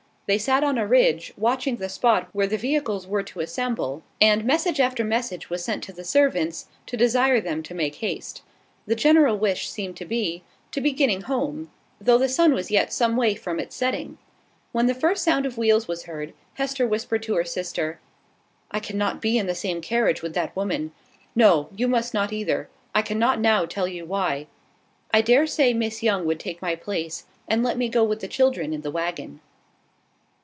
They sat on a ridge, watching the spot where the vehicles were to assemble; and message after message was sent to the servants, to desire them to make haste. The general wish seemed to be, to be getting home, though the sun was yet some way from its setting. When the first sound of wheels was heard, Hester whispered to her sister "I cannot be in the same carriage with that woman. No; you must not either. I cannot now tell you why. I dare say Miss Young would take my place, and let me go with the children in the waggon."